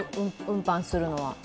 運搬するのは。